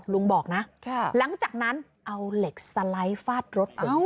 ลุงบอกนะหลังจากนั้นเอาเหล็กสไลด์ฟาดรถ